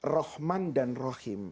rahman dan rahim